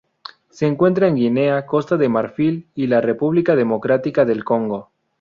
Se encuentra en Guinea, Costa de Marfil y la República Democrática del Congo.